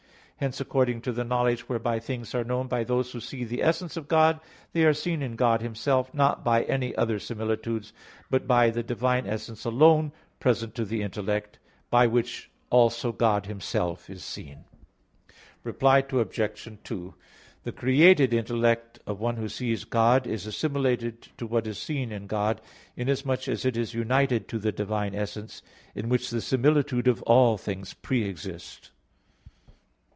Hence, according to the knowledge whereby things are known by those who see the essence of God, they are seen in God Himself not by any other similitudes but by the Divine essence alone present to the intellect; by which also God Himself is seen. Reply Obj. 1: The created intellect of one who sees God is assimilated to what is seen in God, inasmuch as it is united to the Divine essence, in which the similitudes of all things pre exist.